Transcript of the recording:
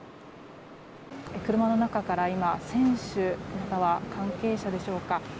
車の中から、今、選手または関係者でしょうか。